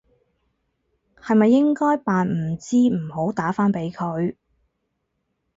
係咪應該扮唔知唔好打返俾佢？